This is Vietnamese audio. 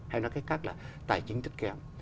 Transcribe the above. hay nói cách khác là tài chính chất kèm